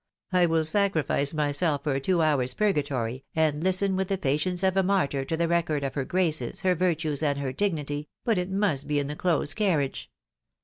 I will sacrifice myself for a two hours' purgatory, and listen with the patience of a martyr to the record of her graces, her virtues, and her dignity, but it must be in the close carriage.